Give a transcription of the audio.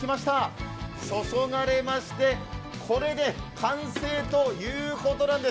注がれまして、これで完成ということなんです。